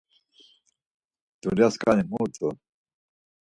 Dulyaskani mu rt̆u?